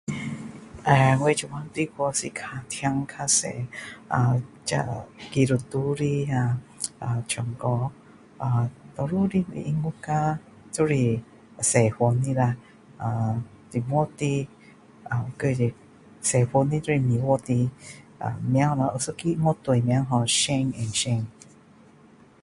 啊,我现在大部分是看听较多啊！这啊基督徒的啊唱歌，啊！多数的音乐国家就是西方的啦！uhm 中国的啊或是西方的就是美国的，名叫什么？有一个乐队名叫 Shane & Shane.